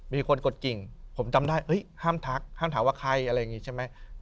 มีคนกดกิ่งผมจำได้ห้ามทักห้ามถามว่าใครอะไรอย่างนี้ใช่ไหม